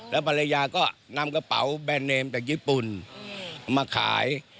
แล้วภรรยาก็นำกระเป๋าแบรนดเนมจากญี่ปุ่นมาขาย